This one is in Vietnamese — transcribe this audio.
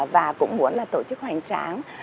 và cũng muốn là tổ chức hoành tráng